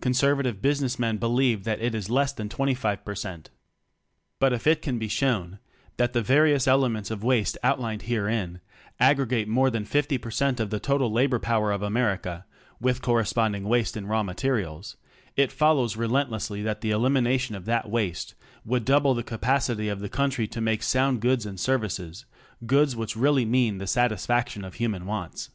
Conservative business men believe that it is less than 25 per cent. But if it can be shown that the various elements of waste outlined herein aggregate more than 50 per cent of the total labor power of America (with corresponding waste in raw materials) it follows relentlessly that the elimination of that waste would double the capacity of the country to make sound goods and services — goods which really mean the satisfaction of human wants.